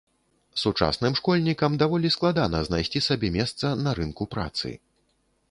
Сучасным школьнікам даволі складана знайсці сабе месца на рынку працы.